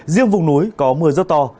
riêng vùng núi có mưa rất to